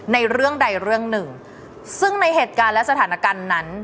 ในเรื่องใดเรื่องหนึ่งซึ่งในเหตุการณ์และสถานการณ์นั้น